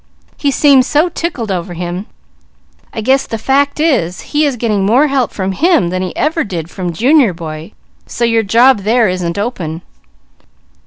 He seemed so tickled over him, I guess the fact is he is getting more help from him that he ever did from Junior boy, so your job there isn't open.